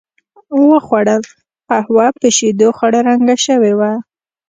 و خوړل، قهوه په شیدو خړ رنګه شوې وه.